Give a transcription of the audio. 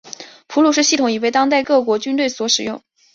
普鲁士系统已为当代各国军队所使用。